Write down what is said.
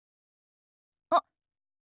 あっ。